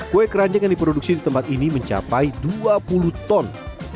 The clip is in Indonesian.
kue keranjang yang diproduksi di tempat ini mencapai dua puluh ton